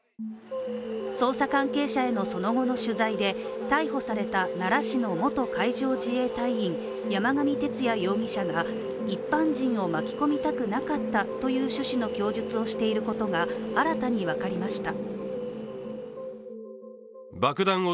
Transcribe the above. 捜査関係者へのその後の取材で逮捕された奈良市の元海上自衛隊員、山上徹也容疑者が一般人を巻き込みたくなかったという趣旨の供述をしていることが新たに分かりました。